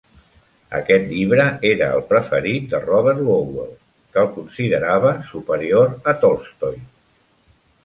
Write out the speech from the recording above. Aquest llibre era el preferit de Robert Lowell, que el considerava superior a Tolstoy.